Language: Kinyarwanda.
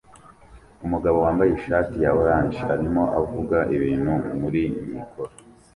Umugabo wambaye ishati ya orange arimo avuga ibintu muri mikoro